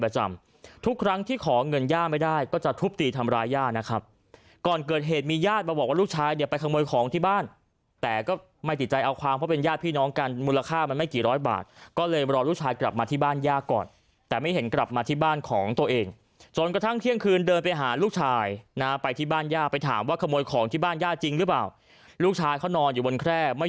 ทุกครั้งที่ขอเงินย่าไม่ได้ก็จะทุบตีทำร้ายย่านะครับก่อนเกิดเหตุมีญาติมาบอกว่าลูกชายเนี่ยไปขโมยของที่บ้านแต่ก็ไม่ติดใจเอาความเพราะเป็นญาติพี่น้องกันมูลค่ามันไม่กี่ร้อยบาทก็เลยรอลูกชายกลับมาที่บ้านย่าก่อนแต่ไม่เห็นกลับมาที่บ้านของตัวเองจนกระทั่งเที่ยงคืนเดินไปหาลูกชายนะไปที่บ้านย่าไปถามว่าขโมยของที่บ้านย่าจริงหรือเปล่าลูกชายเขานอนอยู่บนแคร่ไม่